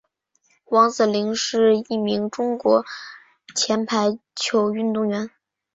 王子凌是一名中国前排球运动员。